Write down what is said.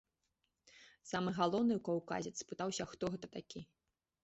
Самы галоўны каўказец спытаўся, хто гэта такі.